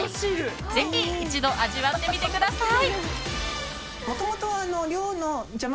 ぜひ一度味わってみてください。